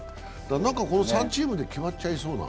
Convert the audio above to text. この３チームで決まっちゃいそうな。